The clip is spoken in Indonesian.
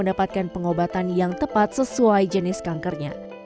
atau di klinik klinik lainnya